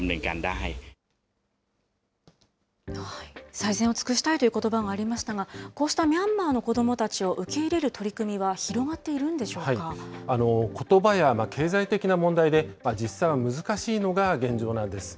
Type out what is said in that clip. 最善を尽くしたいということばもありましたが、こうしたミャンマーの子どもたちを受け入れる取り組みは広がってことばや経済的な問題で、実際は難しいのが現状なんです。